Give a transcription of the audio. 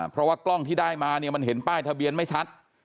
เพราะว่ากล้องที่ได้มาเนี่ยมันเห็นป้ายทะเบียนไม่ชัด